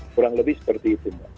kurang lebih seperti itu mbak